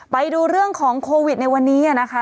ไปดูเรื่องของโควิดในวันนี้นะคะ